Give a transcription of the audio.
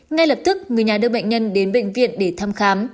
ngay lập tức người nhà đưa bệnh nhân đến bệnh viện để thăm khám